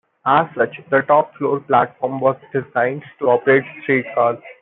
As such, the top-floor platform was designed to operate streetcars.